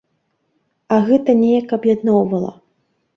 А гэта неяк аб'ядноўвала.